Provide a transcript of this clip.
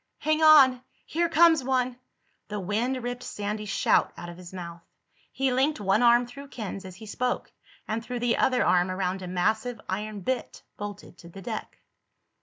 "Hang on! Here comes one!" The wind ripped Sandy's shout out of his mouth. He linked one arm through Ken's as he spoke and threw the other arm around a massive iron bitt bolted to the deck.